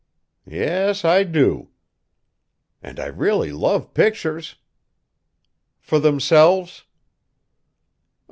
"Yes, I do." "And I really love pictures." "For themselves?"